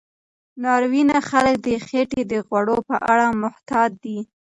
ناروینه خلک د خېټې د غوړو په اړه محتاط وي.